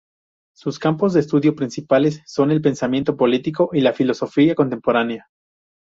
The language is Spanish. Sus campos de estudio principales son el pensamiento político y la filosofía contemporánea.